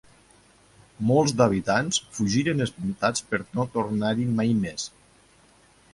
Molts d'habitants fugiren espantats per no tornar-hi mai més.